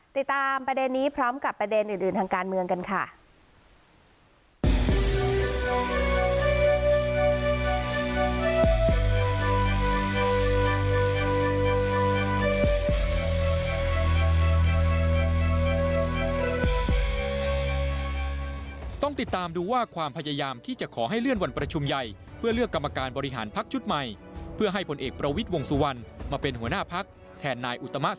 ติดตามประเด็นนี้พร้อมกับประเด็นอื่นทางการเมืองกันค่ะ